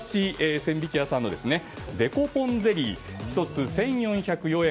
千疋屋さんのデコポンゼリー、１つ１４０４円。